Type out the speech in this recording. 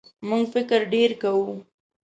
موږ فکر ډېر کوو.